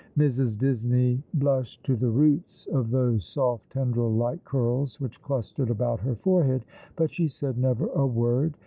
Mrs. Disney blushed to the roots of those sofL tendril like curls which clustered about her forehead ; but she said never a word.